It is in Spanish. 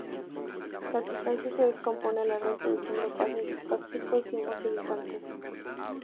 La sustancia se descompone al arder, produciendo gases tóxicos y humos irritantes.